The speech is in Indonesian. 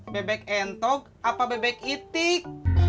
bebek entok apa bebek itik